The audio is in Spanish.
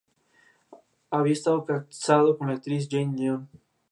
Este autódromo brinda un marco natural a las carreras por su lugar de emplazamiento.